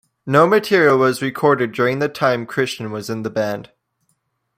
No material was recorded during the time Christian was in the band.